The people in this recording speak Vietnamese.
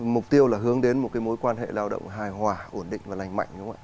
mục tiêu là hướng đến một cái mối quan hệ lao động hài hòa ổn định và lành mạnh đúng không ạ